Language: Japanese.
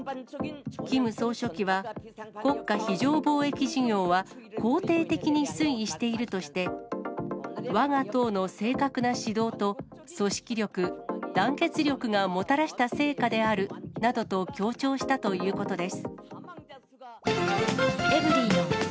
キム総書記は、国家非常防疫事業は肯定的に推移しているとして、わが党の正確な指導と、組織力、団結力がもたらした成果であるなどと強調したということです。